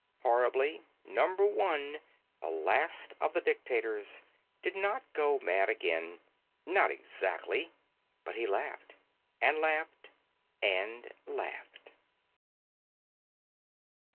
Horribly, Number One, the last of the dictators, did not go mad again; not exactly, but he laughed, and laughed and laughed....